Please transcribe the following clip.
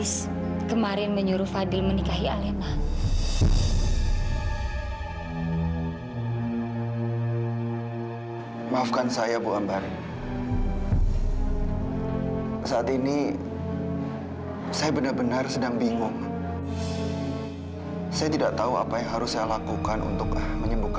sampai jumpa di video selanjutnya